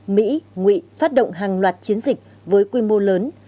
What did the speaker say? mỹ ngụy phát động hàng loạt chiến dịch với quy mô lớn